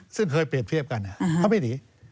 ซึ่งเคยเปรียบเทียบกัน